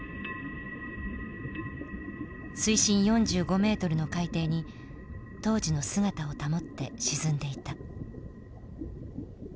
水深４５ｍの海底に当時の姿を保って沈んでいた。